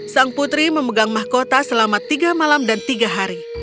sang putri memegang mahkota selama tiga malam dan tiga hari